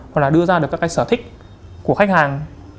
hoặc là đưa ra được các cái sở thích của khách hàng